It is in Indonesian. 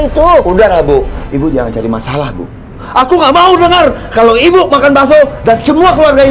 itu udah bu ibu jangan jadi masalah bu aku nggak mau dengar kalau ibu makan bakso dan semua keluarga